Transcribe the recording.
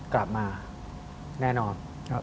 กลับมาแน่นอน